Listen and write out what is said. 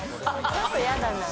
ちょっとやだな。